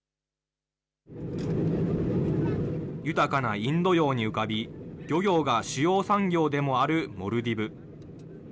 豊かなインド洋に浮かび、漁業が主要産業でもあるモルディブ。